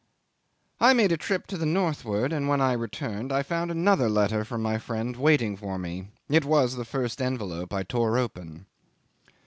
'I made a trip to the northward, and when I returned I found another letter from my friend waiting for me. It was the first envelope I tore open.